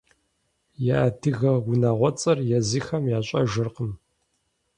Я адыгэ унагъуэцӀэр езыхэм ящӀэжыркъым.